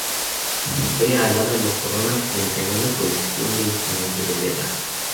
Una Victoria alada lo corona frente a una colección de instrumentos de guerra.